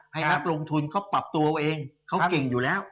ให้ครับรวมทุนเค้าปรับตัวเองเค้าเก่งอยู่แล้ว